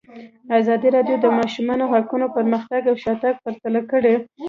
ازادي راډیو د د ماشومانو حقونه پرمختګ او شاتګ پرتله کړی.